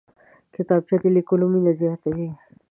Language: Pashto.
کتابچه د لیکلو مینه زیاتوي